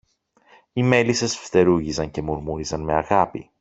Οι μέλισσες φτερούγιζαν και μουρμούριζαν με αγάπη